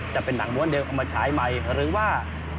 จะเป็นหนังมนต์เดินมาใช้ใหม่หรือว่า